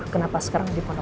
kenapa sekarang dipenuhi